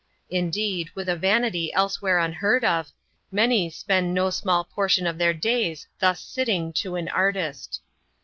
Indeed, with a vanity elsewhere unheard of, many spend no smaU portion of their days thus sitting to an artist.